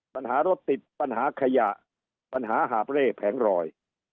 ปัญหารถติดปัญหาขยะปัญหาหาบเร่แผงรอย